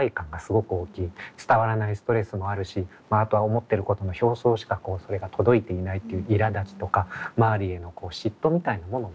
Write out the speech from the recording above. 伝わらないストレスもあるしあとは思ってることの表層しかそれが届いていないっていういらだちとか周りへの嫉妬みたいなものもある。